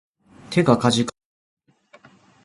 手が悴んでいる